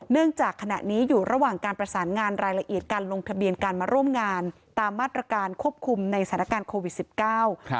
จากขณะนี้อยู่ระหว่างการประสานงานรายละเอียดการลงทะเบียนการมาร่วมงานตามมาตรการควบคุมในสถานการณ์โควิดสิบเก้าครับ